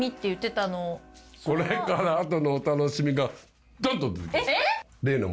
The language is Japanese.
これからあとのお楽しみがドンっと出てきますから。